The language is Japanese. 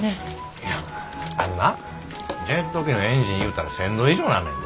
いやあんなジェット機のエンジンいうたら１，０００度以上になんねんで。